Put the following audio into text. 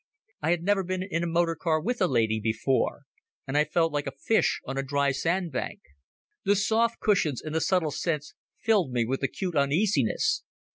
I had never been in a motor car with a lady before, and I felt like a fish on a dry sandbank. The soft cushions and the subtle scents filled me with acute uneasiness.